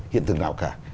hiện thực nào cả